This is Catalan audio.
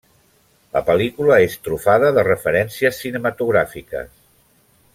La pel·lícula és trufada de referències cinematogràfiques.